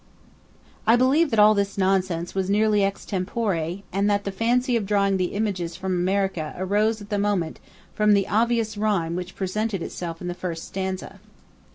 I believe that all this nonsense was nearly extempore, and that the fancy of drawing the images from America arose at the moment from the obvious rhyme which presented itself in the first stanza.